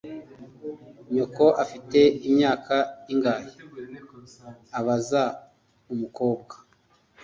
Nyoko afite imyaka ingahe?" abaza umukobwa.